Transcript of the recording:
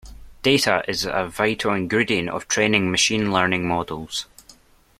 Data is a vital ingredient of training machine learning models.